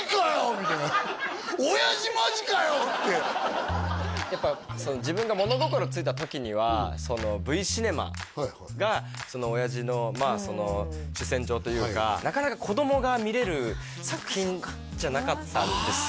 みたいな「親父マジかよ？」ってやっぱ自分が物心ついた時にはＶシネマが親父の主戦場というかなかなか子供が見れる作品じゃなかったんですよね